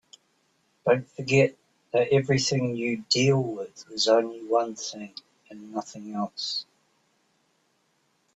Don't forget that everything you deal with is only one thing and nothing else.